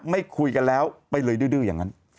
ไม่คุยกันแล้วไปเลยดื้ออย่างนั้น